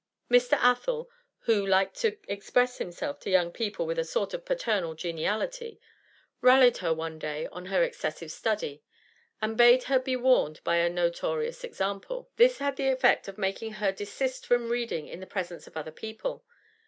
Mr. Athel, who liked to express himself to young people with a sort of paternal geniality, rallied her one day on her excessive study, and bade her be warned by a notorious example. This had the effect of making her desist from reading in the presence of other people.